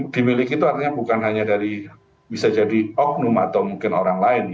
dimiliki itu artinya bukan hanya dari bisa jadi oknum atau mungkin orang lain